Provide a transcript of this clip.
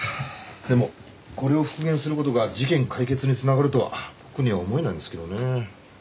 でもこれを復元する事が事件解決につながるとは僕には思えないんですけどねぇ。